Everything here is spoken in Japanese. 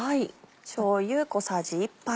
しょうゆ小さじ１杯。